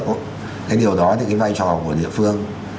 thế điều đó thì cái vai trò của địa phương